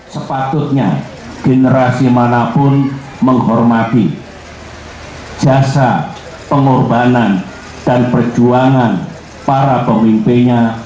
sepatutnya generasi manapun menghormati jasa pengorbanan dan perjuangan para pemimpinnya